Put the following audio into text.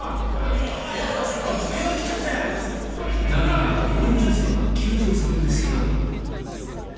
中から高齢女性が救助される姿も。